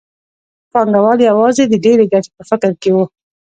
پانګوال یوازې د ډېرې ګټې په فکر کې وو